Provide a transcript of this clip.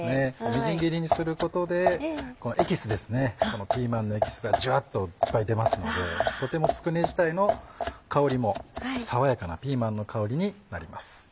みじん切りにすることでこのエキスですねこのピーマンのエキスがジュワっといっぱい出ますのでとてもつくね自体の香りも爽やかなピーマンの香りになります。